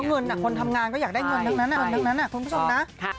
ก็เงินอ่ะคนทำงานก็อยากได้เงินนึงนั้นคุณผู้ชมนะ